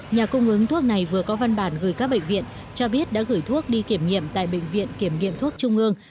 nhà cung ứng thuốc này vừa có văn bản gửi các bệnh viện cho biết đã gửi thuốc đi kiểm nghiệm tại bệnh viện kiểm nghiệm thuốc trung ương